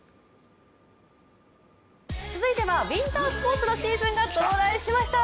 続いてはウィンタースポーツのシーズンが到来しました。